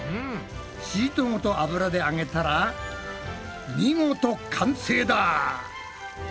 シートごと油で揚げたら見事完成だ！